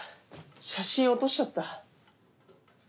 写真落としちゃった。